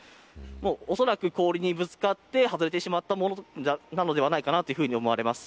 おそらく、氷にぶつかって外れてしまったものではないかなと思われます。